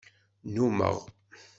Nnummeɣ.